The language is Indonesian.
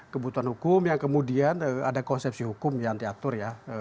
kebutuhan hukum yang kemudian ada konsepsi hukum yang diatur ya